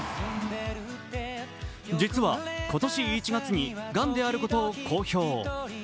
実は今年１月にがんであることを公表。